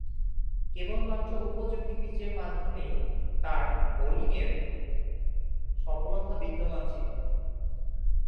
কেবলমাত্র উপযোগী পিচের মধ্যেই তার বোলিংয়ের সফলতা বিদ্যমান ছিল।